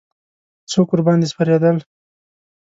څوک ورباندې سپرېدل.